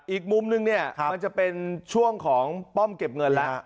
อีกมุมนึงเนี่ยมันจะเป็นช่วงของป้อมเก็บเงินแล้ว